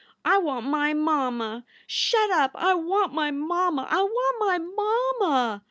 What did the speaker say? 1 I want my mamma ! Shut up !/ want my mamma. I WANT MY MAMMA!"